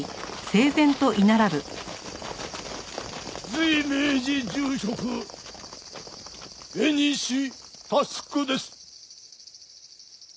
随明寺住職江西佑空です。